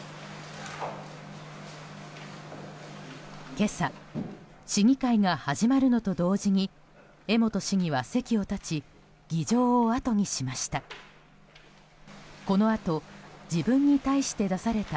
今朝、市議会が始まるのと同時に江本市議は席を立ち議場をあとにしました。